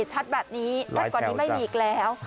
ชัดแบบนี้แต่ก่อนนี้ไม่มีเกลียว